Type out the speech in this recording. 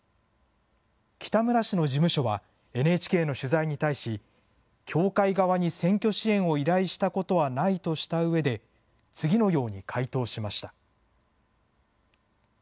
北村氏の事務所は、ＮＨＫの取材に対し、教会側に選挙支援を依頼したことはないとしたうえで、次のように回答しました。